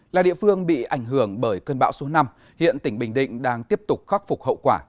là địa phương bị ảnh hưởng bởi cơn bão số năm hiện tỉnh bình định đang tiếp tục khắc phục hậu quả